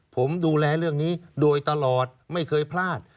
ผมดูแลเรื่องนี้โดยตลอดไม่เคยพลาด